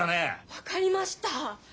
分かりました。